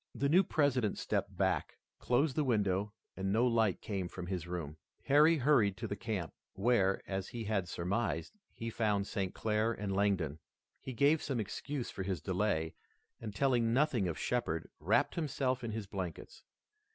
The new President stepped back, closed the window and no light came from his room. Harry hurried to the camp, where, as he had surmised, he found St. Clair and Langdon. He gave some excuse for his delay, and telling nothing of Shepard, wrapped himself in his blankets.